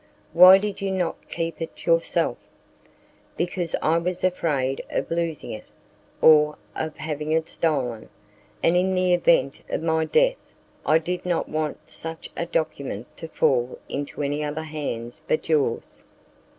"Why did you not keep it yourself?" "Because I was afraid of losing it, or of having it stolen. And in the event of my death I did not want such a document to fall into any other hands but yours."